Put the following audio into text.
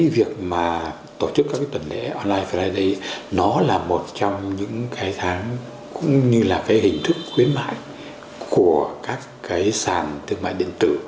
việc tổ chức các tuần lễ online friday là một trong những hình thức khuyến mại của các sản thương mại điện tử